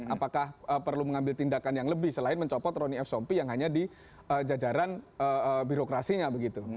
apakah perlu mengambil tindakan yang lebih selain mencopot ronny f sompi yang hanya di jajaran birokrasinya begitu